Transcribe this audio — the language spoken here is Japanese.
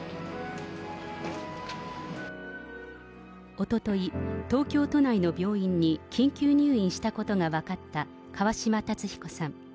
おととい、東京都内の病院に緊急入院したことが分かった川嶋辰彦さん。